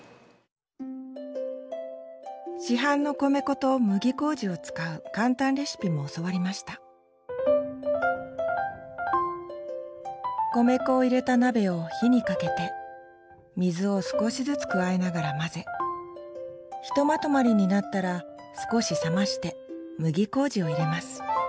市販の米粉と麦麹を使う簡単レシピも教わりました米粉を入れた鍋を火をかけて水を少しずつ加えながら混ぜひとまとまりになったら少し冷まして麦麹を入れます。